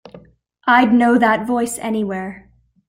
I'd know that voice anywhere.